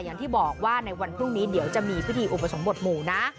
อย่างที่บอกว่าในวันพรุ่งนี้เดี๋ยวจะมีพิธีอุปสมบทหมู่นะ